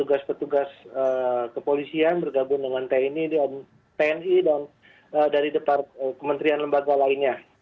petugas petugas kepolisian bergabung dengan tni dan dari depar kementerian lembaga lainnya